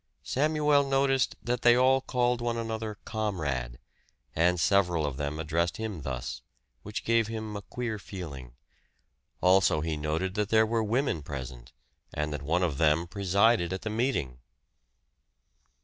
Samuel noticed that they all called one another "comrade"; and several of them addressed him thus, which gave him a queer feeling. Also he noted that there were women present, and that one of them presided at the meeting.